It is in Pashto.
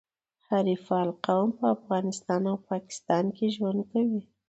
حریفال قوم په افغانستان او پاکستان کي ژوند کوي.